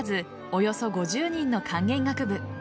およそ５０人の管弦楽部。